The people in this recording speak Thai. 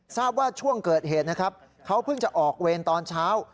ทราบว่าช่วงเกิดเหตุนะครับเขาเพิ่งจะออกเวรตอนเช้า